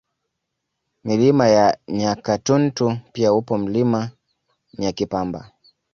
Milima ya Nyakatuntu pia upo Mlima Nyakipamba